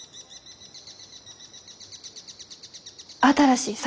新しい酒。